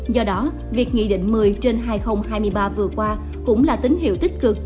do đó việc nghị định một mươi trên hai nghìn hai mươi ba vừa qua cũng là tín hiệu tích cực